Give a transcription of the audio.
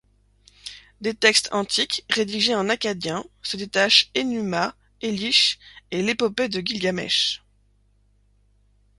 Des textes antiques rédigés en akkadien se détachent Enuma Elish et l'Épopée de Gilgamesh.